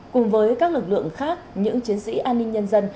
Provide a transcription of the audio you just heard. cùng với các lực lượng khác những chiến sĩ an ninh nhân dân